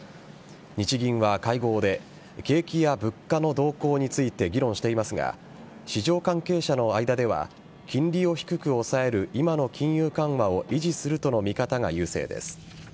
日銀は会合で景気や物価の動向について議論していますが市場関係者の間では金利を低く抑える今の金融緩和を維持するとの見方が優勢です。